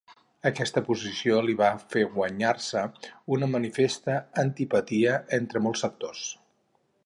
Aquesta posició li va fer guanyar-se una manifesta antipatia entre molts sectors.